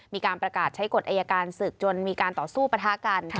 มีการประกาศใช้กฎอายการศึกจนมีการต่อสู้ประทะกัน